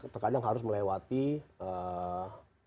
terkadang harus melewati eee